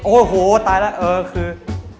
โอ้โหตายแล้วเออคือ